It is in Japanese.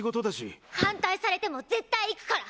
反対されても絶対行くから！